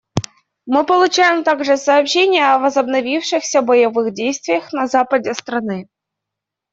Мы получаем также сообщения о возобновившихся боевых действиях на западе страны.